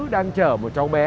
đang chở một cháu bé